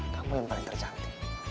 kamu yang paling tercantik